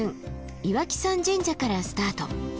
岩木山神社からスタート。